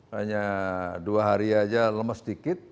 hanya dua hari saja lemah sedikit